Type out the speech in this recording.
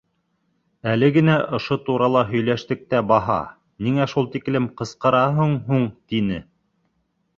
— Әле генә ошо турала һөйләштек тә баһа, ниңә шул тиклем ҡысҡыраһың һуң? — тине.